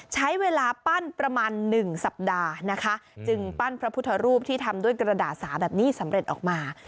ใช้เวลาปั้นประมาณ๑สัปดาห์นะคะจึงปั้นพระพุทธรูปที่ทำด้วยกระดาษสาแบบนี้สำเร็จออกมา